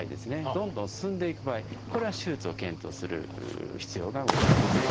どんどん進んでいく場合これは手術を検討する必要がございますね。